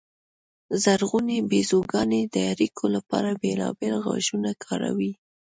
زرغونې بیزوګانې د اړیکو لپاره بېلابېل غږونه کاروي.